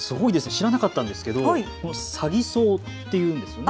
知らなかったんですけど、サギソウっていうんですね。